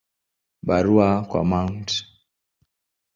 Barua kwa Mt.